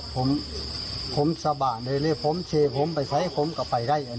ผมเห็นท่าไม่ได้เลยบอกเฮ้ยไม่เอาดีกว่า